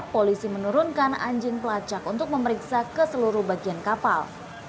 polisi menurunkan anjing pelacak untuk memeriksa ke seluruh bagian kapal